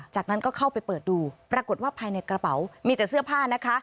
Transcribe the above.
จากนั้นก็เข้าไปเปิดดูปรากฏว่าภายในกระเป๋ามีแต่เสื้อผ้านะคะ